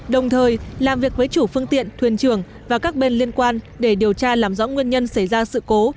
đồng thời làm việc với chủ phương tiện thuyền trường và các bên liên quan để điều tra làm rõ nguyên nhân xảy ra sự cố